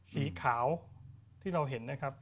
สีขาวที่เราเห็นนะครับ